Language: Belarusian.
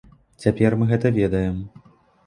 Цяпер мы гэта ведаем.